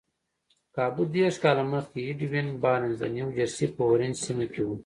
کابو دېرش کاله مخکې ايډوين بارنس د نيوجرسي په اورنج سيمه کې و.